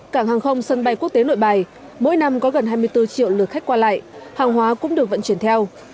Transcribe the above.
cảng hàng không sân bay quốc tế nội bài mỗi năm có gần hai mươi bốn triệu lượt khách qua lại hàng hóa cũng được vận chuyển theo